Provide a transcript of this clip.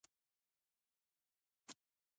اندرې په جګړه کې سخت ټپي شو او بیا مړ شو.